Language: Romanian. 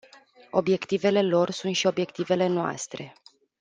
Obiectivele lor sunt și obiectivele noastre.